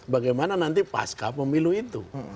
bagaimana nanti pasca pemilihan ini bisa jadi